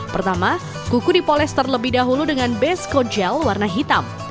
pertama kuku dipoles terlebih dahulu dengan besko gel warna hitam